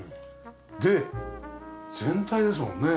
で全体ですもんね。